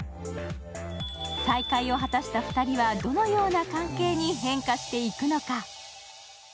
再会を果たした２人はどのような関係に変化していくのか。